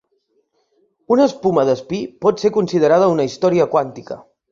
Una espuma d'espí pot ser considerada una història quàntica.